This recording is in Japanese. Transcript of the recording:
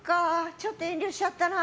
ちょっと遠慮しちゃったな。